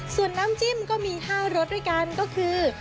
ส่วนน้ำจิ้มก็มี๕รสด้วยกันก็คือ